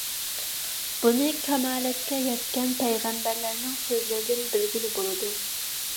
بۇنى كامالەتكە يەتكەن پەيغەمبەرلەرنىڭ سۆزلىرىدىن بىلگىلى بولىدۇ.